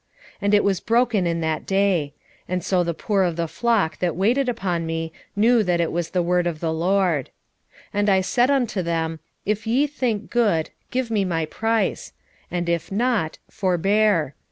11:11 And it was broken in that day: and so the poor of the flock that waited upon me knew that it was the word of the LORD. 11:12 And I said unto them, If ye think good, give me my price; and if not, forbear.